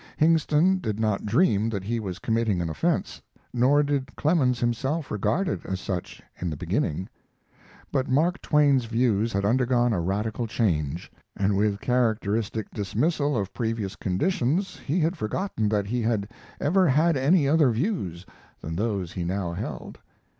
Hingston did not dream that he was committing an offense, nor did Clemens himself regard it as such in the beginning. But Mark Twain's views had undergone a radical change, and with characteristic dismissal of previous conditions he had forgotten that he had ever had any other views than those he now held.